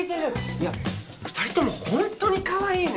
いや２人ともホントにかわいいね。